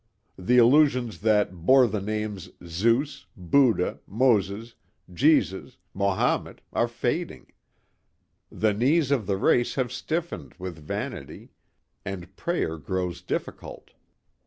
The illusions that bore the names Zeus, Buddha, Moses, Jesus, Mohamet are fading. The knees of the race have stiffened with vanity and prayer grows difficult.